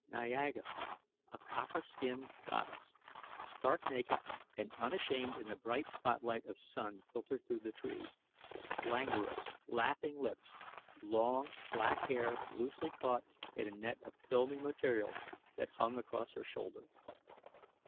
Niaga! A copper skinned goddess, stark naked and unashamed in the bright spot light of sun filtered through the trees. Languorous, laughing lips; long, black hair loosely caught in a net of filmy material that hung across her shoulder.